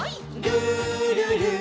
「るるる」